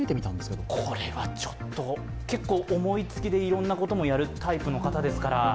これはちょっと結構思いつきでいろんなことをやるタイプの方ですから。